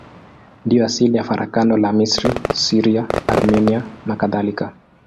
Ndiyo asili ya farakano la Misri, Syria, Armenia nakadhalika.